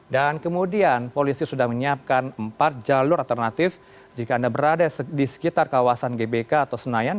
dan kemudian polisi sudah menyiapkan empat jalur alternatif jika anda berada di sekitar kawasan gbk atau senayan